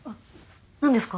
何ですか？